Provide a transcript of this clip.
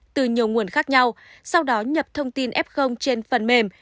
từ nhiều nguồn khác nhau sau đó nhập thông tin f trên phần mềm